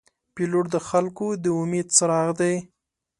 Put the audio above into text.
پیلوټ د خلګو د امید څراغ دی.